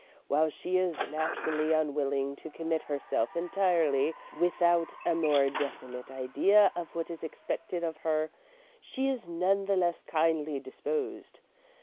While she is naturally unwilling to commit herself entirely without a more definite idea of what is expected of her, she is none the less kindly disposed.